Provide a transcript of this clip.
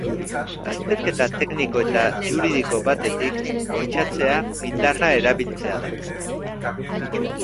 Azterketa tekniko eta juridiko batetik bortxatzea indarra erabiltzea da.